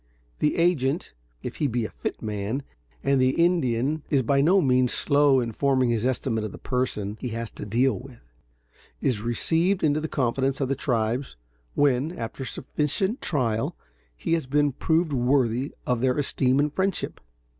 The agent, if he be a fit man, and the Indian is by no means slow in forming his estimate of the person he has to deal with, is received into the confidence of the tribes, when, after sufficient trial, he has been proved worthy of their esteem and friendship.